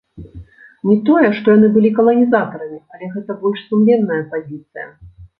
Не тое, што яны былі каланізатарамі, але гэта больш сумленная пазіцыя.